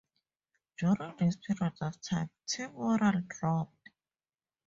During this period of time, team morale dropped.